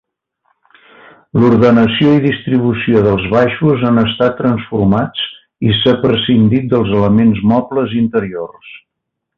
L'ordenació i distribució dels baixos han estat transformats i s'ha prescindit dels elements mobles interiors.